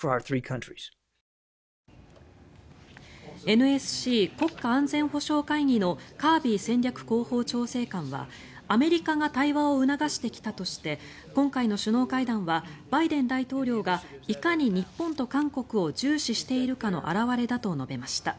ＮＳＣ・国家安全保障会議のカービー戦略広報調整官はアメリカが対話を促してきたとして今回の首脳会談はバイデン大統領がいかに日本と韓国を重視しているかの表れだと述べました。